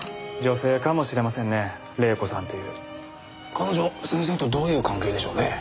彼女先生とどういう関係でしょうね？